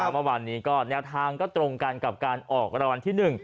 เมื่อวานนี้ก็แนวทางก็ตรงกันกับการออกรางวัลที่๑